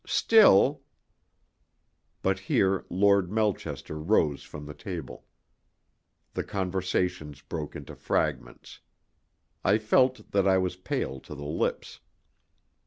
Still " But here Lord Melchester rose from the table. The conversations broke into fragments. I felt that I was pale to the lips.